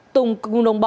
tùng cung nông bắc